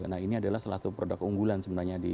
nah ini adalah salah satu produk unggulan sebenarnya